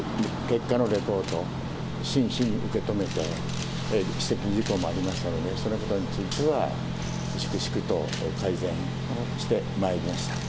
結果のレポートを真摯に受け止めて、指摘事項もありましたので、そのことについては粛々と改善をしてまいりました。